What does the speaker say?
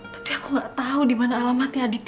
tapi aku nggak tahu di mana alamatnya aditya